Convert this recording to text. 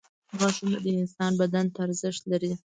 • غاښونه د انسان بدن ته ارزښت لري.